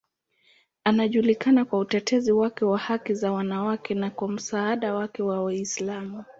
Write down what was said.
Anajulikana kwa utetezi wake wa haki za wanawake na kwa msaada wake wa Uislamu.